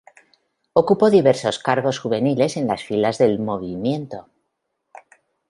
Ocupó diversos cargos juveniles en las filas del Movimiento.